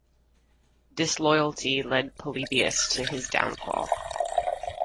Disloyalty led Polybius to his downfall.